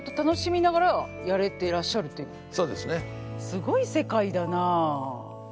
すごい世界だな。